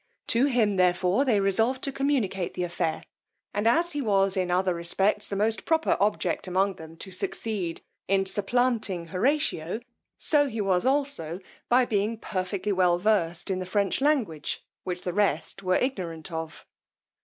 To him, therefore, they resolved to communicate the affair; and as he was in other respects the most proper object among them to succeed in supplanting Horatio, so he was also by being perfectly well versed in the French language, which the rest were ignorant of.